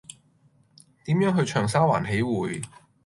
點樣去長沙灣喜薈